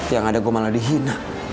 yang ada gue malah dihina